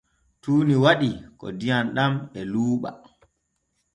Tuuni waɗi ko diyam ɗam e luuɓa.